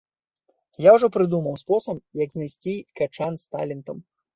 Я ўжо прыдумаў спосаб, як знайсці качан з талентам.